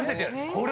これ。